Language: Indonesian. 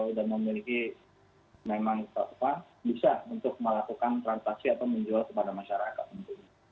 bisa untuk melakukan transaksi atau menjual kepada masyarakat